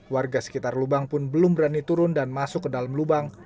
warga sekitar lubang pun belum berani turun dan masuk ke dalam lubang